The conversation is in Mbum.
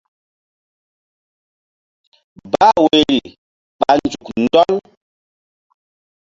Bah woyri ɓa nzuk ɗɔl.